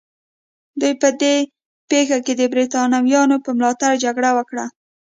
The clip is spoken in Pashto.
دوی په دې پېښه کې د برېټانویانو په ملاتړ جګړه وکړه.